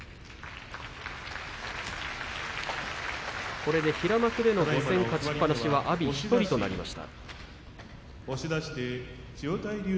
これで平幕での５戦勝ちっぱなしは、阿炎１人となりました。